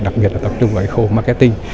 đặc biệt là tập trung vào khâu marketing